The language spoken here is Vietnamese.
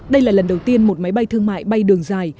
đây là lần đầu tiên một máy bay thương mại bay đường dài